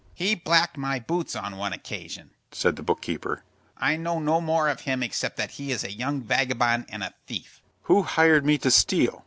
"He blacked my boots on one occasion," said the book keeper; "I know no more of him except that he is a young vagabond and a thief." "Who hired me to steal?"